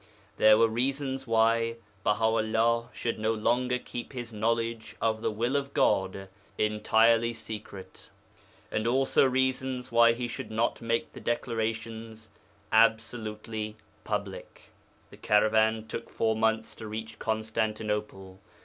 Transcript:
There were reasons why Baha 'ullah should no longer keep his knowledge of the will of God entirely secret, and also reasons why he should not make the declaration absolutely public. The caravan took four months to reach Constantinople.